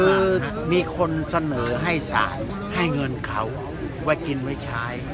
คือมีคนเสนอให้สายให้เงินเขาไว้กินไว้ใช้